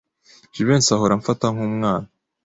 Jivency ahora amfata nkumwana.